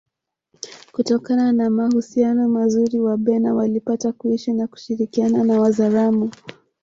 kutokana na mahusiano mazuri Wabena walipata kuishi na kushirikiana na Wazaramo